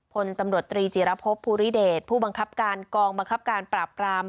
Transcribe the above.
พลตำรวจตรีจิรพบภูริเดชผู้บังคับการกองบังคับการปราบปราม